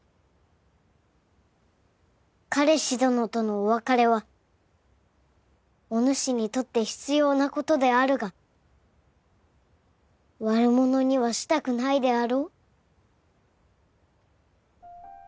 彼氏どのとのお別れはおぬしにとって必要な事であるが悪者にはしたくないであろう？